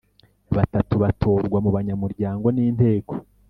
batatu batorwa mu banyamuryango n Inteko